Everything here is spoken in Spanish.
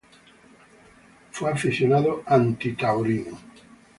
Fue aficionado taurino.